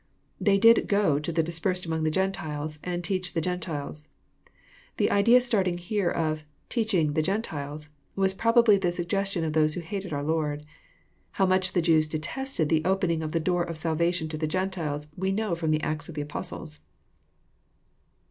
They did go to the dispersed among the Gentiles, and teach the Gentiles." The idea started here of " teaching the Gentiles " waa probably the suggestion of those who hated our Lord. How much the Jews detested the opening of the door of salvation to the Gentiles, we know from the Acts of the Apostles.